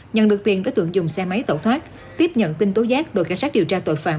nhận được tiền đối tượng dùng xe máy tẩu thoát tiếp nhận tin tố giác đội cảnh sát điều tra tội phạm